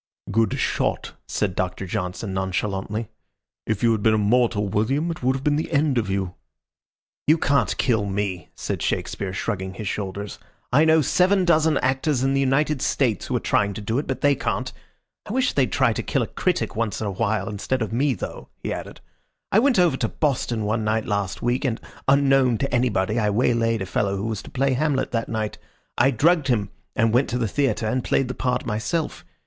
"Good shot," said Doctor Johnson, nonchalantly. "If you had been a mortal, William, it would have been the end of you." "You can't kill me," said Shakespeare, shrugging his shoulders. "I know seven dozen actors in the United States who are trying to do it, but they can't. I wish they'd try to kill a critic once in a while instead of me, though," he added. "I went over to Boston one night last week, and, unknown to anybody, I waylaid a fellow who was to play Hamlet that night. I drugged him, and went to the theatre and played the part myself.